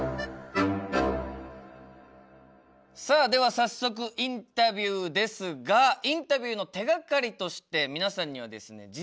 さあでは早速インタビューですがインタビューの手がかりとして皆さんにはですね